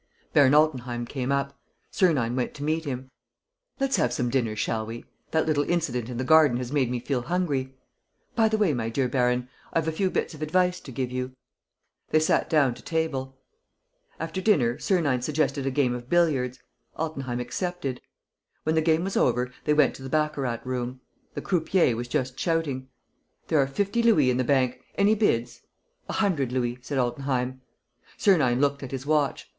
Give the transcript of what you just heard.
Baron Altenheim came up. Sernine went to meet him: "Let's have some dinner, shall we? That little incident in the garden has made me feel hungry. By the way, my dear baron, I have a few bits of advice to give you. ..." They sat down to table. After dinner, Sernine suggested a game of billiards. Altenheim accepted. When the game was over, they went to the baccarat room. The croupier was just shouting: "There are fifty louis in the bank. Any bids?" "A hundred louis," said Altenheim. Sernine looked at his watch.